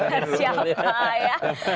dengan siapa ya